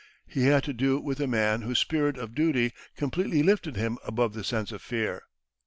He had to do with a man whose spirit of duty completely lifted him above the sense of fear.